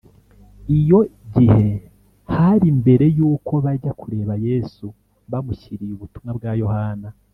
iyo gihe hari mbere yuko bajya kureba yesu bamushyiriye ubutumwa bwa yohana